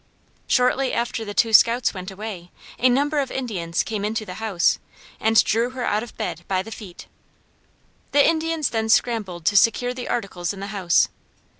Shortly after the two scouts went away, a number of Indians came into the house, and drew her out of bed, by the feet. The Indians then scrambled to secure the articles in the house.